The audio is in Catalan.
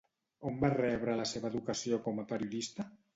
On va rebre la seva educació com a periodista?